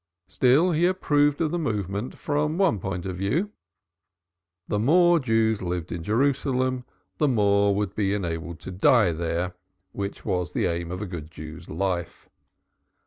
Still he approved of the movement from one point of view. The more Jews lived in Jerusalem the more would be enabled to die there which was the aim of a good Jew's life.